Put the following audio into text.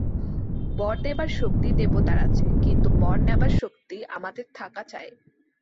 বর দেবার শক্তি দেবতার আছে, কিন্তু বর নেবার শক্তি আমাদের থাকা চাই।